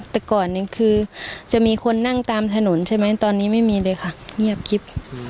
แต่ก่อนหนึ่งคือจะมีคนนั่งตามถนนใช่ไหมตอนนี้ไม่มีเลยค่ะเงียบกิ๊บ